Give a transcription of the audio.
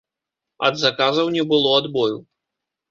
Ад заказаў не было адбою.